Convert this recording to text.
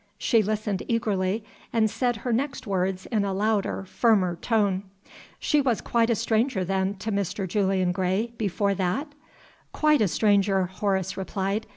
She listened eagerly, and said her next words in a louder, firmer tone. "She was quite a stranger, then, to Mr. Julian Gray before that?" "Quite a stranger," Horace replied.